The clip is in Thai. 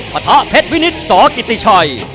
ปะทะเพชรวินิตสกิติชัย